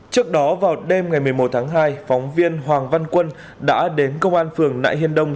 trước đó vào đêm ngày một mươi một tháng hai phóng viên hoàng văn quân đã đến công an phường nại hiên đông